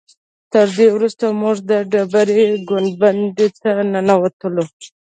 تر دې وروسته موږ د ډبرې ګنبدې ته ننوتلو.